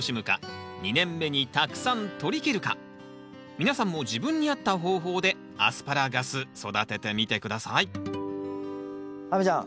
皆さんも自分に合った方法でアスパラガス育ててみて下さい亜美ちゃん